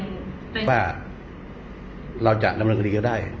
อเจมส์ว่าเราจัดตดสรรคดีก็ได้